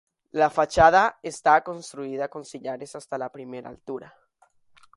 La fachada está construida con sillares hasta la primera altura.